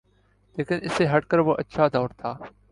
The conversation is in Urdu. لیکن اس سے ہٹ کے وہ اچھا دور تھا۔